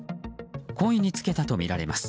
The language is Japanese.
故意につけたとみられます。